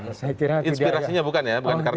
inspirasinya bukan ya